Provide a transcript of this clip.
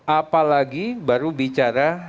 apa lagi baru bicara